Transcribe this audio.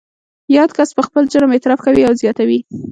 یاد کس پر خپل جرم اعتراف کوي او زیاتوي